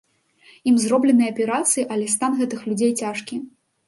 Ім зробленыя аперацыі, але стан гэтых людзей цяжкі.